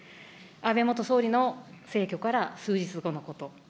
安倍元総理の逝去から数日後のこと。